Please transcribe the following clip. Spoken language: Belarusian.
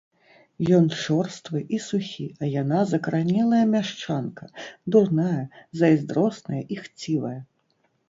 Ён чорствы і сухі, а яна закаранелая мяшчанка, дурная, зайздросная і хцівая.